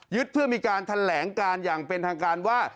เพื่อมีการแถลงการอย่างเป็นทางการว่า